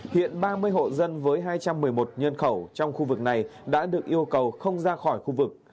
hiện ba mươi hộ dân với hai trăm một mươi một nhân khẩu trong khu vực này đã được yêu cầu không ra khỏi khu vực